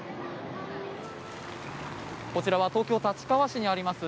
こちらは東京・立川市にあります